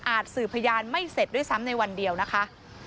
สื่อพยานไม่เสร็จด้วยซ้ำในวันเดียวนะคะ